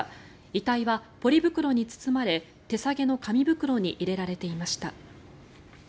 遺体はポリ袋に包まれ手提げの紙袋に入れられていました。